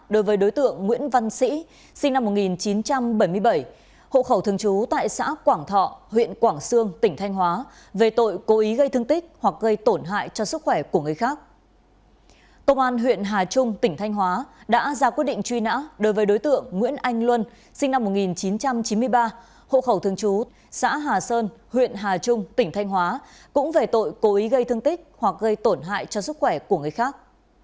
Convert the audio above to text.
đối tượng nguyễn anh luân sinh năm một nghìn chín trăm chín mươi ba hộ khẩu thương chú xã hà sơn huyện hà trung tỉnh thanh hóa cũng về tội cố ý gây thương tích hoặc gây tổn hại cho sức khỏe của người khác